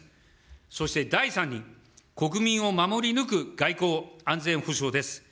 そして第３に国民を守り抜く外交・安全保障です。